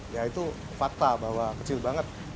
ya itu fakta bahwa kecil banget